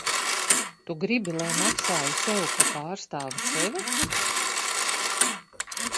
Tu gribi, lai maksāju sev, ka pārstāvu sevi?